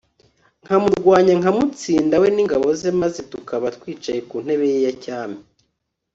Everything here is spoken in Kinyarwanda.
nkamurwanya nkamutsinda we n'ingabo ze maze tukaba twicaye ku ntebe ye ya cyami